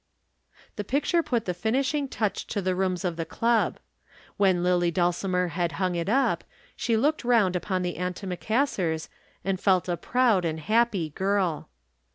The picture put the finishing touch to the rooms of the Club. When Lillie Dulcimer had hung it up, she looked round upon the antimacassars and felt a proud and happy girl.